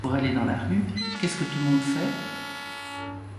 Pour aller dans la rue, qu’est-ce que tout le monde fait ?